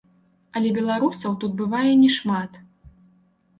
Але беларусаў тут бывае не шмат.